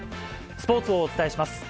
スポーツをお伝えします。